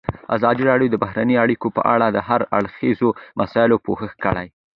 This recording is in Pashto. ازادي راډیو د بهرنۍ اړیکې په اړه د هر اړخیزو مسایلو پوښښ کړی.